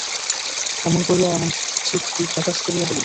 কেমন করিয়া এমন ঠিকটি প্রকাশ করিয়া বলিল।